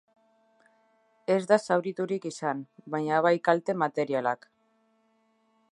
Ez da zauriturik izan, baina bai kalte materialak.